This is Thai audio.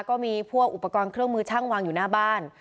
ก็มีพวกอุปกรณ์เครื่องมือช่างวางอยู่หน้าบ้าน